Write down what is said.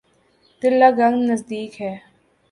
تلہ گنگ نزدیک ہے۔